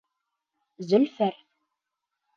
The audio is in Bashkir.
Зөлфәр